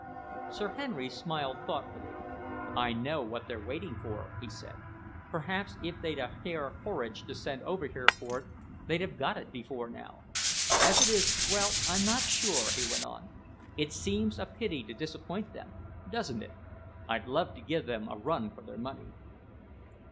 Sir Henry smiled thoughtfully. "I know what they're waiting for," he said. "Perhaps if they'd a Herr Horridge to send over here for it, they'd have got it before now. As it is well, I'm not sure," he went on. "It seems a pity to disappoint them, doesn't it? I'd love to give them a run for their money."